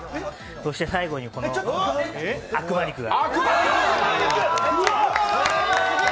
そして最後にこの悪魔肉が。